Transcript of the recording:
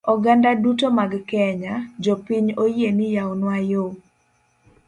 Oganda duto mag kenya, jopiny oyie ni yawnwa yoo!